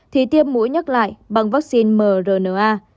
thì tiêm mũi nhắc lại bằng vắc xin mrna